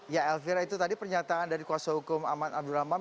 ya elvira itu tadi pernyataan dari kuasa hukum aman abdurrahman